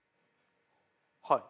はい。